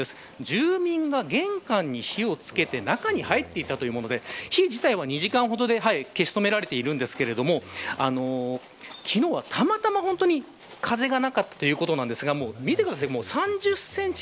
住民が玄関に火を付けて中に入っていたというもので火自体は２時間ほどで消し止められているんですが昨日は、たまたま風がなかったということなんですが見てください。